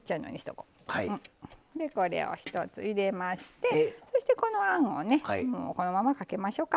これを一つ入れまして、あんをこのままかけましょうか。